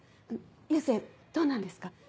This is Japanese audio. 佑星どうなんですか？